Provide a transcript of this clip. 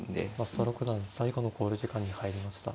増田六段最後の考慮時間に入りました。